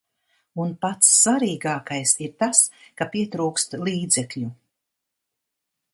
Un pats svarīgākais ir tas, ka pietrūkst līdzekļu.